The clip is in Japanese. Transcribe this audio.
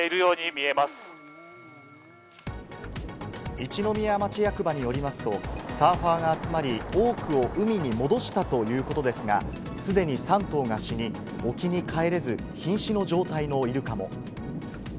一宮町役場によりますとサーファーが集まり、多くを海に戻したということですが、すでに３頭が死に、沖にかえれず、瀕死の状態のイルカも。